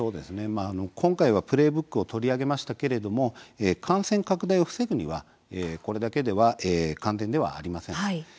今回はプレーブックを取り上げましたけれども感染拡大を防ぐにはこれだけでは完全ではありません。